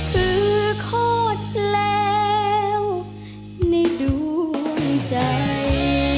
คือโคตรแล้วในดวงใจ